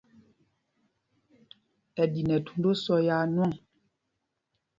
Ɛ di nɛ thūnd ósɔ́ yaa nwɔŋ.